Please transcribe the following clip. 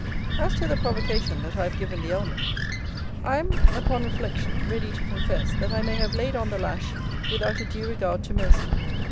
As to the provocation that I have given the Ellmans, I am, upon reflection, ready to confess that I may have laid on the lash without a due regard to mercy.